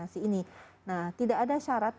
si ini nah tidak ada syarat